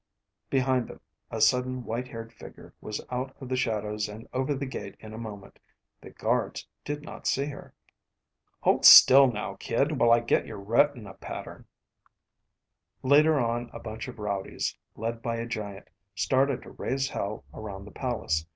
Behind them, a sudden white haired figure was out of the shadows and over the gate in a moment. The guards did not see her. "Hold still now, kid, while I get your retina pattern." Later on a bunch of rowdies, led by a giant, started to raise hell around the palace.